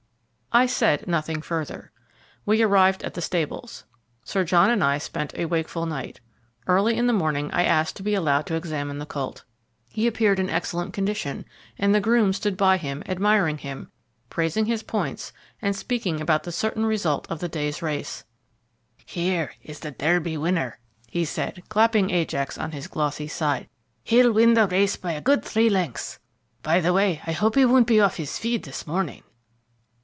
I said nothing further. We arrived at the stables. Sir John and I spent a wakeful night. Early in the morning I asked to be allowed to examine the colt. He appeared in excellent condition, and the groom stood by him, admiring him, praising his points, and speaking about the certain result of the day's race. "Here's the Derby winner," he said, clapping Ajax on his glossy side. "He'll win the race by a good three lengths. By the way, I hope he won't be off his feed this morning."